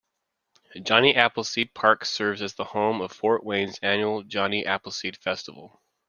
Johnny Appleseed Park serves as the home for Fort Wayne's annual Johnny Appleseed Festival.